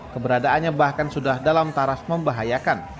keberadaannya bahkan sudah dalam taraf membahayakan